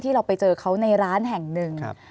เราไปเจอเขาในร้านแห่งหนึ่ง